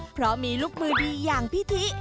เพราะมีลูกมือดีอย่างพี่ทิ